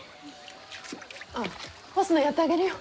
あっ干すのやってあげるよ。